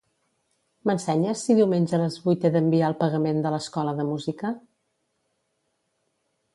M'ensenyes si diumenge a les vuit he d'enviar el pagament de l'escola de música?